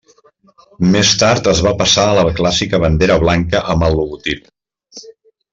Més tard es va passar a la clàssica bandera blanca amb el logotip.